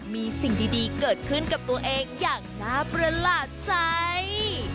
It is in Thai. มีสิ่งดีเกิดขึ้นกับตัวเองอย่างน่าประหลาดใจ